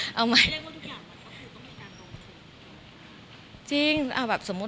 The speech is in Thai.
เล่นว่าทุกอย่างต้องเข้าการพูด